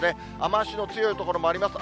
雨足の強い所もあります。